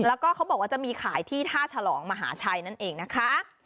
แล้วก็เขาบอกว่าจะมีขายที่ท่าฉลองมหาชัยนั่นเองนะคะ